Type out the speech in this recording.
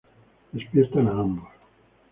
Despiertan a ambos.